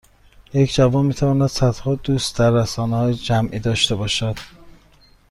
یک جوان میتواند صدها دوست در رسانههای جمعی داشته باشد